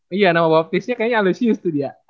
iya nama bapaknya kayaknya aloysius tuh dia